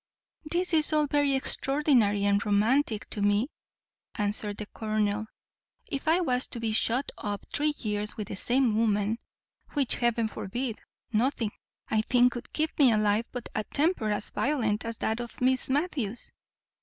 "This is all very extraordinary and romantic to me," answered the colonel. "If I was to be shut up three years with the same woman, which Heaven forbid! nothing, I think, could keep me alive but a temper as violent as that of Miss Matthews.